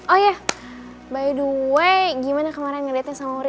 oh iya by the way gimana kemarin ngedetek sama uri